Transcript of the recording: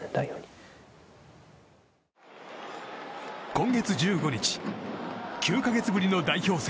今月１５日９か月ぶりの代表戦。